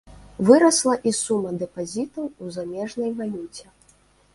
Вырасла і сума дэпазітаў у замежнай валюце.